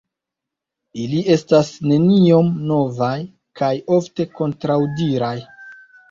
Ili estas neniom novaj kaj ofte kontraŭdiraj.